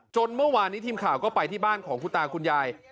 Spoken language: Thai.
เมื่อวานนี้ทีมข่าวก็ไปที่บ้านของคุณตาคุณยาย